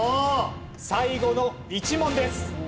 最後の１問です。